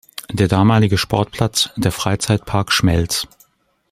Der damalige Sportplatz: der Freizeitpark Schmelz.